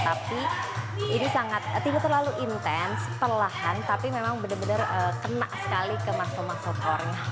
tapi ini sangat tiba tiba terlalu intens perlahan tapi memang benar benar kena sekali ke maksa maksa core nya